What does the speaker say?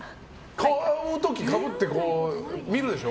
買う時かぶって見るでしょ？